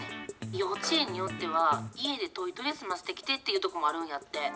幼稚園によっては、家でトイトレ済ませてきてっていうとこもあるんやって。